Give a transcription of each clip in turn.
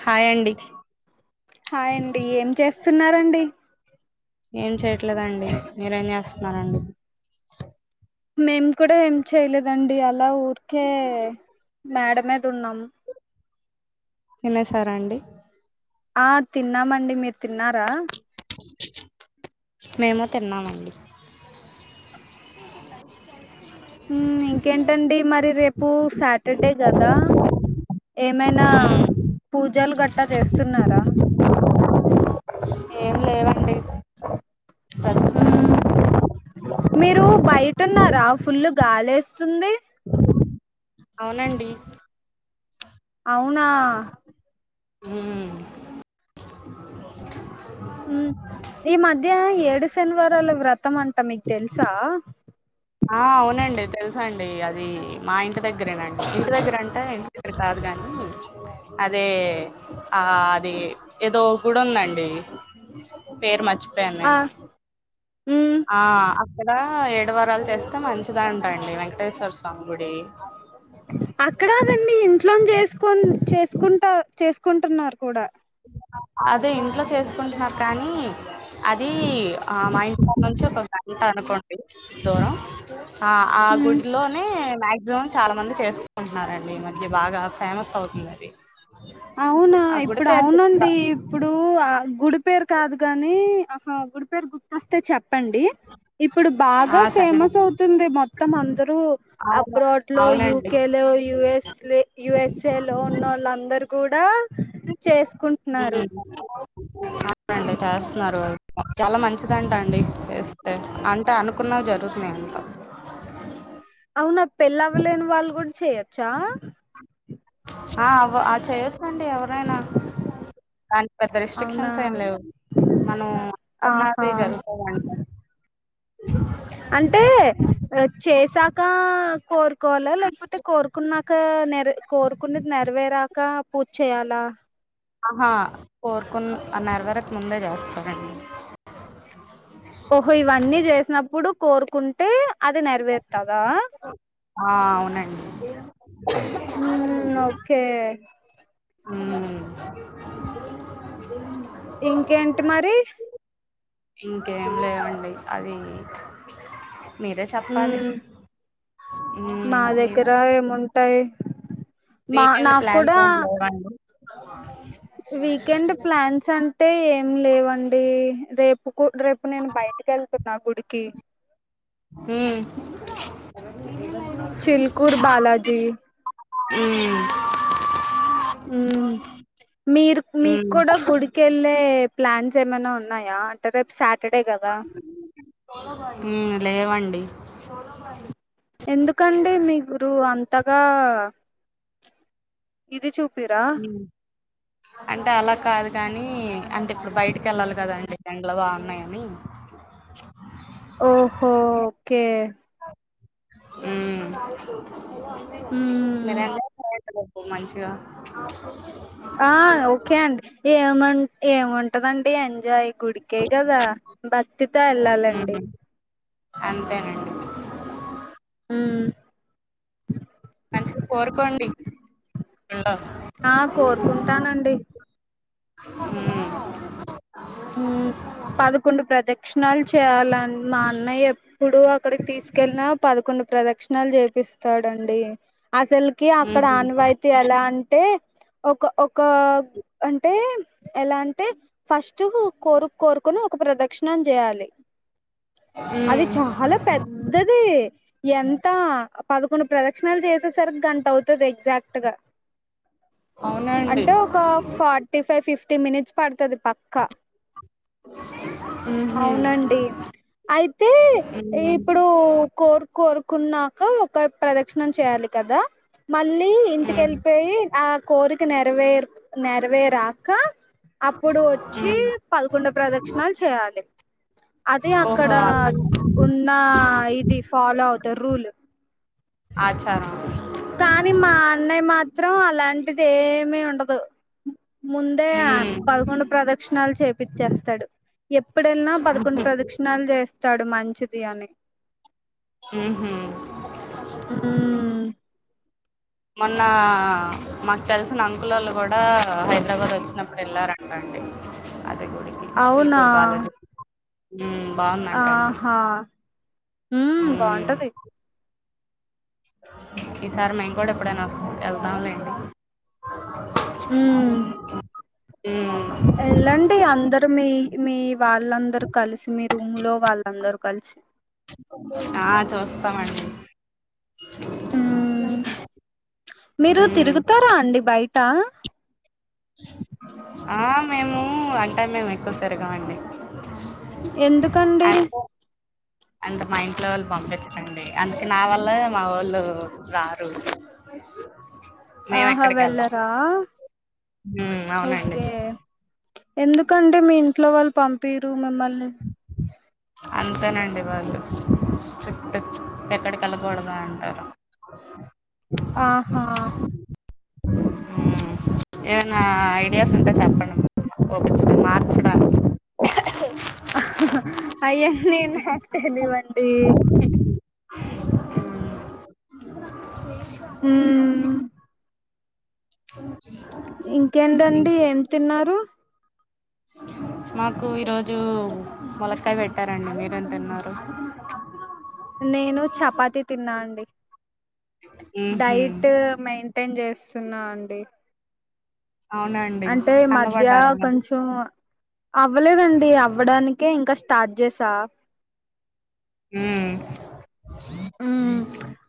Hi అండి హాయండి ఏం చేస్తున్నారండి ఏం చేయట్లేదండి మీరేం చేస్తున్నారండి మేం కూడా ఏం చేయలేదండి అలా ఊరికే మేడ మీద ఉన్నామ్ తినేసారా అండి ఆ తిన్నామండి మీర్ తిన్నారా మేము తిన్నామండి ఇంకేంటండి మరి రేపు టర్డే కదా ఏమైనా పూజల్ గట్టా చేస్తున్నారా బస్ ఉమ్ మీరు బయటున్నారా ఫుల్లు గాలేస్తుంది అవునండి అవునా ఉమ్ ఈ మధ్య ఏడు శనివారాలా వ్ర త్తమంటా మీక్ తెల్సా ఆ అవునండి తెలుసండి అది మా ఇంటి దగ్గరేనండి ఇంటి దగ్గర అంటే ఇంటి దగ్గర కాదు గాని అదే ఆ అది ఏదో గుడి ఉందండి పేరు మరిచిపోయా ఆ నేను ఉమ్ ఆ అక్కడ ఏడు వారాలు చేస్తే మంచిదంటండి వెంకటేశ్వర స్వామి గుడి అక్కడదండి ఇంట్లోన్ చేసుకోన్ చేసుకుంటా చేసుకుంటున్నారు కూడా అదే ఇంట్లో చేసుకుంటున్నారు కానీ అది ఆ మా ఇంట్కాంనుంచి ఒక గంట అనుకోండి దూరం ఆ ఆ ఉమ్ గుడిలోనే మాక్సిమం చాలా మంది చేసుకుంటున్నారండి ఈ మధ్య బాగా ఫేమస్ అవుతుందది అవునా ఇప్పుడు అవునండి ఇప్పుడూ ఆ గుడి పేరు కాదు గాని ఆహా గుడి పేరు గుర్తొస్తే చెప్ టండి ఇప్పుడుబాగా ఆ సరే ఫేమస్ అండి అవుతుంది మొత్తం అందరు రు అవును అబ్రాడ్ లో అవునండి యూకేలో యుఎస్ యుఎస్ఏ లో ఉన్నోళ్ళందరు కూడా చేసుకుంటున్నారు హ్మ్ అవునండి చేస్తన్నారు చాలా మంచిదంటండి చేస్ అంటే అనుకున్నవి జరుగుతున్నయంట అవునా పెళ్లవ్వలేని వాళ్ళు కూడా చేయొచ్చా ఆ అవ్వ ఆ చేయొచ్చండి ఎవరైనా దానికి పెద్ద అవునా రిస్ట్రిక్షన్స్ ఏం లేవు మనం ఆహా అనుకున్నది జరుగుతదంట అంటే చేసాక కోరుకోవాలా లేకపోతే కోరుకున్నా కా నెర కోరుకున్నది నెరవేరాక పూజ్ చేయాలా ఆహా కోరుకున్న నెరవేరక ముందే చేస్తారండి ఓహో ఇవన్నీ చేసినప్పుడు కోరుకుంటే అది నెరవేర్తదా ఆ అవునండి ఉమ్ ఓకే ఊం ఇంకేంటి మరి ఇంకేం లేవండి అది మీరే చెప్పాలి ఉమ్ ఉమ్ మా మీ దగ్గర ఏముంటాయి మా వీకెండ్ నాకు ప్లాన్స్ కూడా ఏం లేవా అండి వీకెండ్ ప్లాన్స్ అంటే ఏం లేవండి రేపు రేపు నేను బయటికెళ్తున్నా గుడికి ఊమ్ చిల్కూర్ బాలాజీ మ్మ్ ఉమ్ మీర్ మ్మ్ మీక్కుడా గుడికెళ్ళే ప్లాన్స్ ఏమైనా ఉన్నాయా అంటే రేప్ సా ఉమ్ లేవండి ఎందుకండి మీగురు అంతగా ఇది చూ ఉమ్ అంటే అలా కాద్ కానీ అంటే ఇప్పుడు బయటికెళ్ళాలి కదాండి ఎండలు బాగున్నాయని ఓహో ఓకే ఉమ్ ఉమ్ [unintelligible] మంచిగ ఆ ఓకే అండి ఏమ ఏముంటదండి ఎంజాయ్ గుడికే గదా భక్తితో ఎళ్ళాలండి మ్మ్ అంతేనండి ఉమ్ కోరుకోండి ఆ కోరుకుంటానండి ఉమ్ ఉమ్ పదకొండు ప్రదక్షిణాలు చేయాలన్ మా అన్నయ్య ఎప్పుడు అక్కడికి తీసుకెళ్ళిన పదకొండు ప్రదక్షిణాలు చేపిస్తాడండి అసల్కి అక్కడ ఉహు ఆనవాయితీ ఎలా అంటే ఒక ఒక అంటే ఎలా అంటే ఫష్ టు కోరు కోరుకుని ఒక ప్రదక్షిణం చేయాలి అది హ్మ్ చాలా పెద్దది ఎంత పదకొండు ప్రదక్షిణలు చేసేసరికి గంట అవుతది ఎగ్జాక్ట్ గా అవునండి అంటే ఒక ఫార్టీ ఫైవ్ ఫిఫ్టీ మినిట్స్ పడుతది ప క్క అ అవునండి అయితే హ్మ్ హ్మ్ ఇప్పుడు కోరు కోరుకున్న ఒక ప్రదక్షిణం చేయాలి కదా మళ్ళీ ఇంటికెళ్ళిపెయి ఆ కోరిక నెరవేర్ నెరవేరాక అప్పుడు వచ్చి హ్మ్ పదకొండో ప్రదక్షిణలు చేయాలే అదే అక్కడ ఓహో ఉన్న ఇది ఫాలో అవుతార్ రూల్ ఆచారం కానీ మా అన్నయ్య మాత్రం అలాంటిది ఏమి ఉండదు ముందే హ్మ్ పదకొండు ప్రదక్షిణాలు చేపిచ్చేస్తాడు ఎప్పుడేళ్నా పదకొండు ప్రదక్షిణాలు చేస్తాడు మంచిది అని ఉహ్మ్మ్మ్ ఉమ్ మొన్న మాకు తెలిసిన అంకులోళ్ళు కూడా హైదరాబాద్ వచ్చినప్పుడు వెళ్ళారంటండి అవునా ఉమ్ బాగుందంట అండి ఉమ్ హ్మ్ బాగుంటది ఈసారి మేము కూడా ఎప్పుడైనా వస్ ఏల్తామ్లేండి హ్మ్మ్ హ్మ్ ఎళ్ళండి అందరు మీ మీ వాళ్ళందరు కలిసి మీ రూమ్ లో వాళ్ళందరు కల్సి ఆ చూస్తామండి ఉమ్ మీరు మ్మ్ తిరుగుతారా అండి బయట ఆ మేము అంటా మేము ఎక్కువ తిరగామండి ఎందుకండి అంటే మా ఇంట్లో వాళ్ళు పంపించరండి అందుకే నా వల్ళ మా వొళ్ళు రారు ఆహా మేమెక్కడికెళ్ళం వెళ్ళరా ఉమ్ అవునండి ఓకే ఎందుకండి మీ ఇంట్లో వాళ్ళు పంపిరు మిమ్మల్ని అంతేనండి వాళ్ళు స్ట్రిక్ట్ ఎక్కడికి ఎళ్ళకూడదు అంటారు ఆహా ఉమ్ ఏమైనా ఐడియాస్ ఉంటే చెప్పండి ఓపిచ్చ మార్చడానికి అయ్య నీన నాక్ తెలివ్వండి హ్మ్మ్ అ ఇంకేంటండి ఏం తిన్నారు మాకు ఈరోజు ములక్కాయ పెట్టారండి మీరు ఎం తీన్నారు నేను చపాతి తిన్నా అండి మ్మ్ హు డైట్ మెయింటైన్ చేస్తున్నా అండి అవునండి అంటే మధ్య సన్నబడ్డారా మరి కొంచెం అవ్వలేదండి అవ్వడానికే ఇంకా స్టార్ట్ చేసా హ్మ్మ్ ఉమ్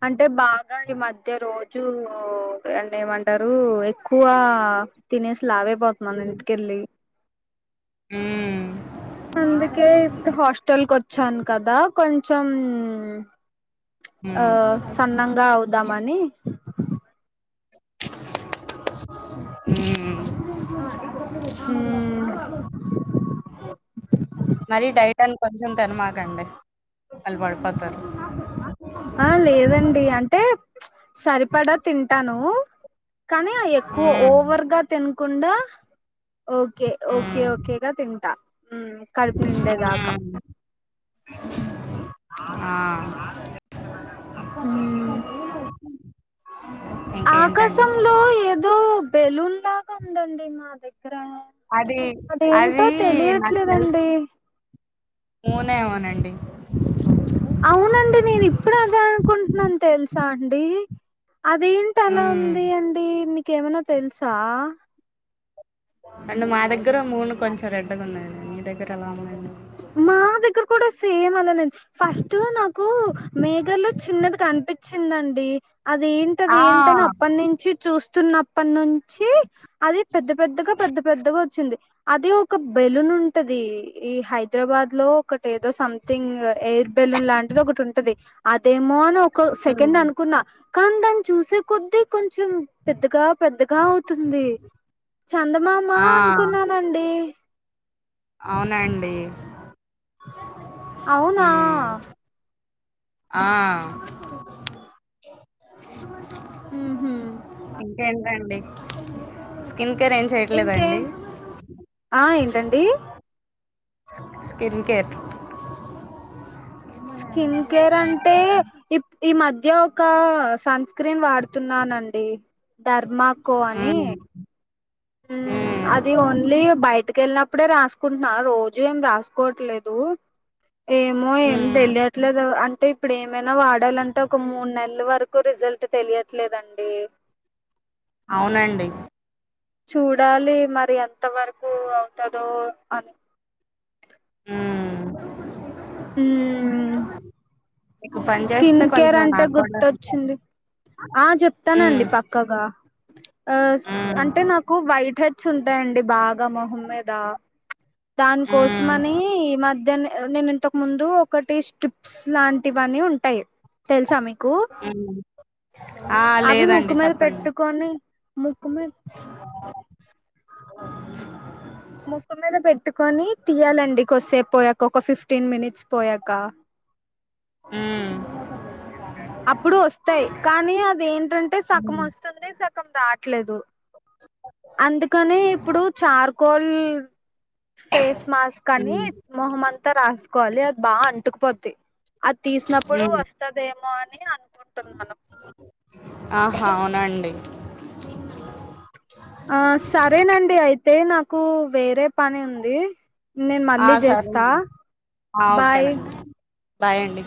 అంటే బాగా ఈ మధ్య రోజు అంటే ఏమంటారు ఎక్కువ గ తినేసి లావైపోతున్నాను ఇంటికెళ్ళి హ్మ్మ్ అందుకే ఇప్పుడు హాస్టల్ కోచ్చాను కదా కొంచెం ఆ హ్మ్. సన్నంగా అవుదామని మ్మ్మ్ ఉమ్ మరి డైట్ టని కొంచెం తనమాకండి కల్ పడిపోతారు ఆ లేదండి అంటే సరిపడా తింటాను కానీ ఎక్కువ హ్మ్. ఓవర్గా తినకుండా ఓకే ఓకే హ్మ్. ఓకేగా తింటా మ్ కడుపు నిండే దాకా హ్మ్. మ్మ్ ఆ ఇంకేంటండి? ఆకాశంలో ఏదో బెలూన్ లాగా ఉందండి మా దగ్ గ్గర అది అది అదేంటో నాకు తెలియట్లేదండి తెలిసి మూనేమోనండి అవునండి నేను ఇప్పుడు అదే అనుకుంటున్నాను తెలుసా అండి అదేంటి అలా హ్మ్. ఉంది అండి మీకేమైనా తెలుసా అంటే మా దగ్గర మూన్ కొంచెం రెడ్ గా ఉందండి మీ దగ్ గ్గర ఎలా ఉంది అండి ఏమనన్ ఫస్ట్ నాకు మేఘ ళ్ళో చిన్నది కనిపించిందండి అదేంటిది ఆ! ఏంటని అప్పటినుంచి చూస్తున్న ప్పనుంచి అది పెద్దగ పెద్దగా పెద్దగ పెద్దగా వచ్చింది అదే ఒక బెలూన్ ఉంటది ఈ హైదరాబాద్ లో ఒకటి ఏదో సం థింగ్ ఎయిర్ బెలూన్ లాంటిది ఒకటి ఉంటది అదేమో అని ఒక హ్మ్. సెకండ్ అనుకున్నా కానీ దాన్ని చూసే కొద్దీ కొంచెం పెద్దగా పెద్దగా అవుతుంది చందమామా ఆ! అనుకున్నానండి అవునండి అవునా హ్మ్. ఆ మ్ హు ేంటండి స్కిన్ కేర్ ఏం చేయట్లేదండి ఇంకేం ఆ ఏంటండి స్కిన్ కేెర్ మ స్కిన్ కేర్ అంటే ఈ మధ్య ఒక సన్ స్క్రీన్ వాడుతున్నానండి ధర్మాకో అని ఉమ్ ఉమ్ అది ఓన్లీ బయ టికెళ్ళినప్పుడే రాసుకుంటున్నా రోజు ఏం రాసుకోవట్లేదు ఏమో ఏం ఉమ్. తెలియట్లే గదా అ అంటే ఇప్పుడు ఏమైనా వాడాలంటే ఒక మూడు నెల్ల వరకు రిజల్ట్ తెలియట్లేదండి అవునండి చూడాలి మరి ఎంత వరకు అవుతదో అని ఉమ్ హ్మ్మ్ మీకు పని స్కిన్ చేస్తే కేర్ కొంచెం అంటే నాకు కూడా గుర్తొచ్చింది ఆ చెప్తానండి ఉమ్ పక్కగా ఆస్ ఉమ్ అంటే నాకు వైట్ హెడ్స్ ఉంటాయండి బాగా మొహం మీద దాని ఉమ్ కోసమని ఈ మధ్యనే నేను ఇంతకు ముందు ఒకటి స్ట్రిప్స్ లాంటివాని ఉంటాయి తెల్సా మీ కు ఉమ్ ఆ అవి లేదండి ముక్కు మీద చెప్పండి పెట్టుకొని ముక్కు మీ [unintelligible] ముక్కు మీద పెట్టుకొని తీయాలండి కొద్దిసేపు పోయాక ఒక ఫిఫ్టీన్ మినిట్స్ పోయాక హ్మ్ అప్పుడు వస్తాయ్ కానీ అదేంటంటే ఉమ్ సగం వస్తుంది సగం రాట్లేదు అందుకనే ఇప్పుడు చార్కోల్ ఫేస్ మాస్క్ ఉమ్ అని మొహంమంతా రాసుకోవాలి అది బాగా అంటుకుపోద్ది అద్ తీసినప్పుడు ఉమ్. వస్తదేమో అని అనుకుంటున్నాను ఆహా అవునండి ఆ సరేనండి అయితే నాకు వేరే పని ఉంది నేన్ ఆ మళ్ళీ చేస్తా సరేనండి ఆ బాయ్ ఓకేనండి బాయ్ అండి